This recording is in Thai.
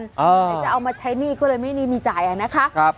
แต่จะเอามาใช้หนี้ก็เลยไม่มีจ่ายนะคะ